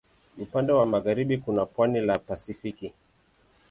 Upande wa magharibi kuna pwani la Pasifiki.